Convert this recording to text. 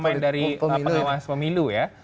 pemain dari pengawas pemilu ya